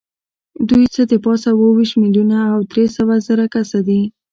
دوی څه د پاسه اووه ویشت میلیونه او درې سوه زره کسه دي.